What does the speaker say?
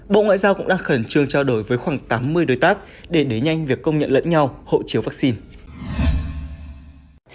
bộ ngoại giao cũng đang khẩn trương trao đổi với khoảng tám mươi đối tác để đẩy nhanh việc công nhận lẫn nhau hộ chiếu vaccine